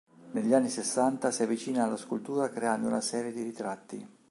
Negli anni sessanta si avvicina alla scultura creando una serie di ritratti.